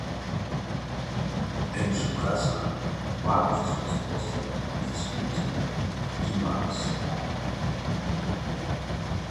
En su casa, Matt y su esposa discuten y Matt se va.